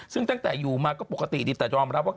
ซึ่งตั้งแต่อยู่มาก็ปกติดีแต่ยอมรับว่า